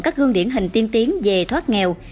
các gương điển hình tiên tiến về thoát nghèo